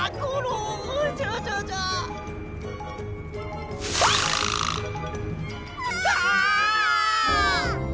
うわ！